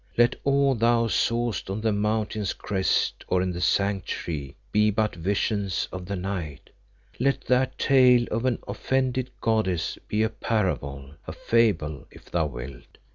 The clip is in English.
"Let all thou sawest on the Mountain's crest or in the Sanctuary be but visions of the night; let that tale of an offended goddess be a parable, a fable, if thou wilt.